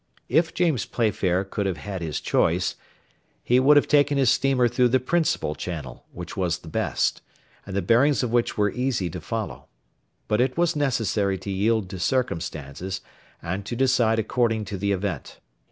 If James Playfair could have had his choice, he would have taken his steamer through the Principal Channel, which was the best, and the bearings of which were easy to follow; but it was necessary to yield to circumstances, and to decide according to the event.